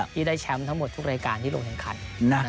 ที่ได้แชมป์ทั้งหมดทุกรายการที่ลงแข่งขัน